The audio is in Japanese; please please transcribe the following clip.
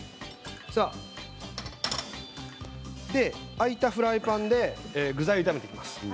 空いたフライパンで具材を炒めていきます。